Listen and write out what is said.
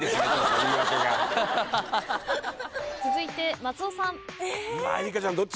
続いて松尾さん。